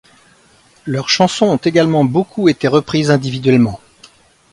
Leurs chansons ont également beaucoup été reprises individuellement.